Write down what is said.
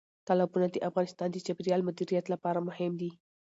تالابونه د افغانستان د چاپیریال مدیریت لپاره مهم دي.